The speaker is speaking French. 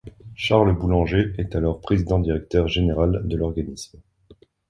Charles Boulanger est alors Président-directeur général de l’organisme.